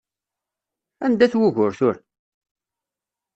Anda-t wugur tura?